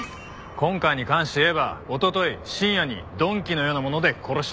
今回に関して言えばおととい深夜に鈍器のようなもので殺した。